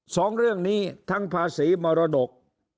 สองเรื่องนี้ทั้งภาษีมรดก